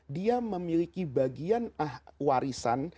dia memiliki bagian warisan